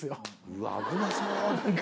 うわっ危なそう。